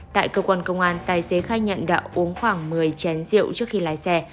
tại cơ quan công an tài xế khai nhận đã uống khoảng một mươi chén rượu trước khi lái xe